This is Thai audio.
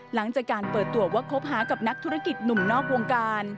หลังจากการเปิดตัวว่าคบหากับนักธุรกิจหนุ่มนอกวงการ